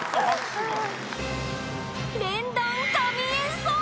［連弾神演奏！］